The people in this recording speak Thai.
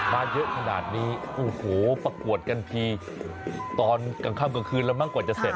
มาเยอะขนาดนี้โอ้โหประกวดกันทีตอนกลางค่ำกลางคืนแล้วมั้งกว่าจะเสร็จ